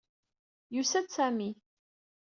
Yusa-d Sami.